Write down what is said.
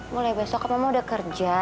mulai besok kamu udah kerja